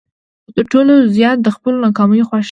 خو تر ټولو زیات د خپلو ناکامیو خوښ یم.